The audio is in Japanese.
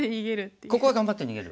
ここは頑張って逃げる。